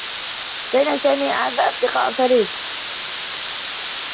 كان سامي أعزّ أصدقاء فريد.